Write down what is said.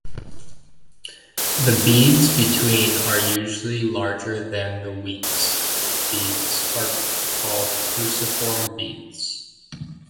The beads between are usually larger than the "weeks" beads are called "cruciform" beads.